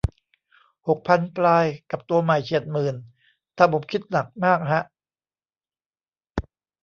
หกพันปลาย กับตัวใหม่ เฉียดหมื่นทำผมคิดหนักมากฮะ